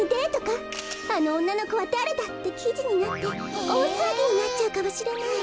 あのおんなのこはだれだ！？」ってきじになっておおさわぎになっちゃうかもしれない。